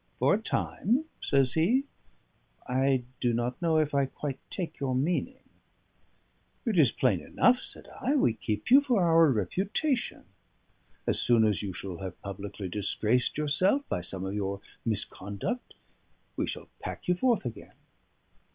"For a time?" says he. "I do not know if I quite take your meaning." "It is plain enough," said I. "We keep you for our reputation; as soon as you shall have publicly disgraced yourself by some of your misconduct, we shall pack you forth again."